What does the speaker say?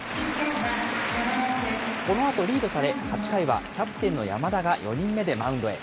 このあとリードされ、８回はキャプテンの山田が４人目でマウンドへ。